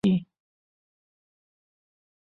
څوک له نومه سره ښخ سول چا کرلي افسانې دي